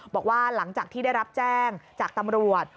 บอกว่าหลังจากที่ได้รับแจ้งจากตำรวจ